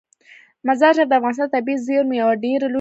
مزارشریف د افغانستان د طبیعي زیرمو یوه ډیره لویه برخه ده.